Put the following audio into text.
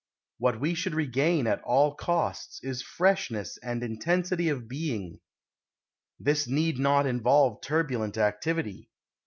What we should regain at all costs is freshness and intensity of being. This need not involve turbulent activity.